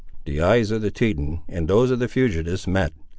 The eyes of the Teton, and those of the fugitives met.